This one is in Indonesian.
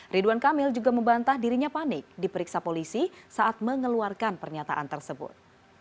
ridwan kamil juga membantah dirinya panik diperiksa polisi saat mengeluarkan pernyataan tersebut